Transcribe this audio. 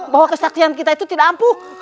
bahwa kesaksian kita itu tidak ampuh